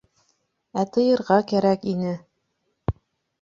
Ә тыйырға кәрәк ине...